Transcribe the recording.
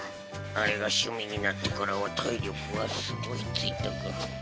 あれが趣味になってからは体力はすごいついたが。